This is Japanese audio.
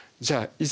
いざ